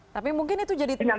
tapi mungkin itu jadi tipsnya ya